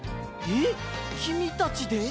えっきみたちで？